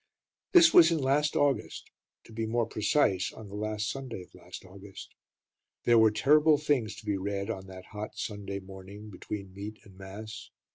This was in last August, to be more precise, on the last Sunday of last August. There were terrible things to be read on that hot Sunday morning between meat and mass.